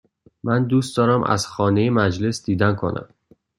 من دوست دارم از خانه مجلس دیدن کنم.